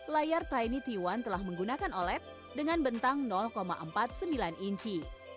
layar tiny t satu telah menggunakan oled dengan bentang empat puluh sembilan inci